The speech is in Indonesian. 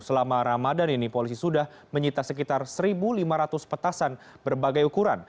selama ramadan ini polisi sudah menyita sekitar satu lima ratus petasan berbagai ukuran